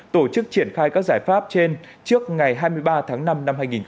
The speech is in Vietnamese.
tổ chức triển khai các giải pháp trên trước ngày hai mươi ba tháng năm năm hai nghìn hai mươi